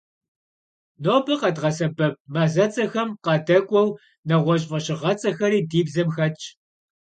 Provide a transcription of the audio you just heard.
Нобэ къэдгъэсэбэп мазэцӀэхэм къадэкӏуэу, нэгъуэщӀ фӀэщыгъэцӀэхэри ди бзэм хэтщ.